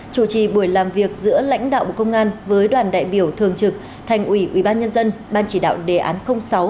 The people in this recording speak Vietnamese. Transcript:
chủ trì buổi làm việc giữa lãnh đạo bộ công an với đoàn đại biểu thường trực thành ủy ubnd ban chỉ đạo đề án sáu